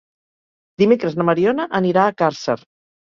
Dimecres na Mariona anirà a Càrcer.